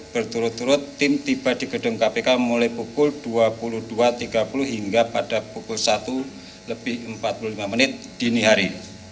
berturut turut tim tiba di gedung kpk mulai pukul dua puluh dua tiga puluh hingga pada pukul satu lebih empat puluh lima menit dini hari